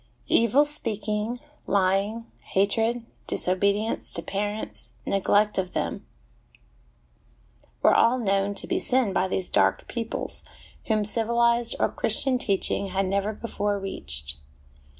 " Evil speaking, lying, hatred, disobedience to parents, neglect of them," were all known to be sin by these dark peoples whom civilised or Christian teaching had never before reached.